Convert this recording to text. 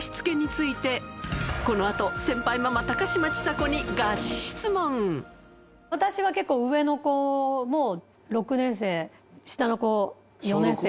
この後私は結構上の子も６年生下の子４年生。